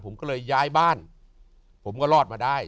ผมก็เลยย้ายบ้านผมก็รอดมาได้